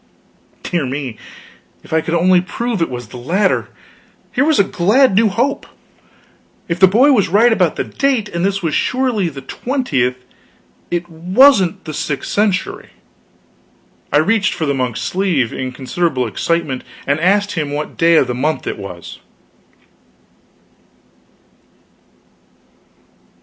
Dear me, if I could only prove it was the latter! Here was a glad new hope. If the boy was right about the date, and this was surely the 20th, it wasn't the sixth century. I reached for the monk's sleeve, in considerable excitement, and asked him what day of the month it was.